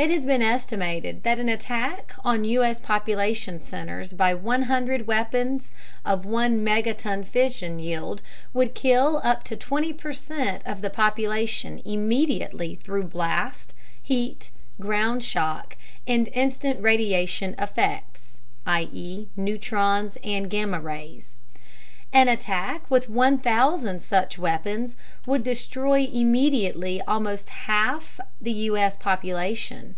It has been estimated that an attack on U.S. population centers by 100 weapons of one megaton fission yield would kill up to 20 percent of the population immediately through blast, heat, ground shock and instant radiation effects (neutrons and gamma rays); an attack with 1,000 such weapons would destroy immediately almost half the U.S. population.